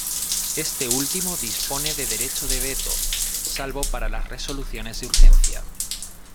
Este último dispone de derecho de veto, salvo para las resoluciones de urgencia.